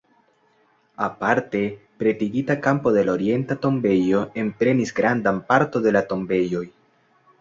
Aparte pretigita kampo de la orienta tombejo enprenis grandan parto de la tombejoj.